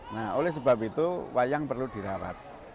nah oleh sebab itu wayang perlu dirawat